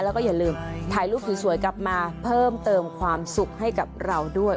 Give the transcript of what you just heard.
แล้วก็อย่าลืมถ่ายรูปสวยกลับมาเพิ่มเติมความสุขให้กับเราด้วย